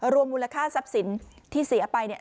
รวมมูลค่าทรัพย์สินที่เสียไปเนี่ย